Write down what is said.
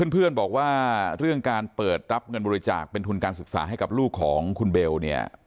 เพื่อนบอกว่าเรื่องการเปิดรับเงินบริจาคเป็นทุนการศึกษาให้กับลูกของคุณเบลเนี่ย